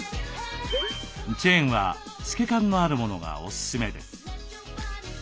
チェーンは透け感のあるものがおすすめです。